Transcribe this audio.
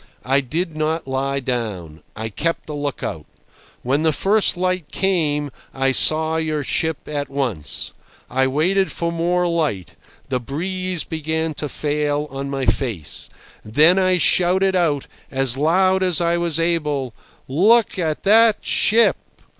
I did not lie down. I kept a look out. When the first light came I saw your ship at once. I waited for more light; the breeze began to fail on my face. Then I shouted out as loud as I was able, 'Look at that ship!